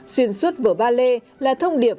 xuyên suốt vở ballet là thông điệp